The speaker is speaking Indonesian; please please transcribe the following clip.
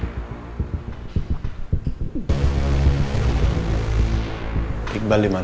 nanti lavorasinya ingin dimisiahkan